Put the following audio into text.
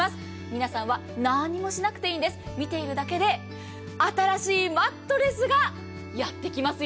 皆さんは何もしなくていいんです、見ているだけで新しいマットレスがやってきますよ。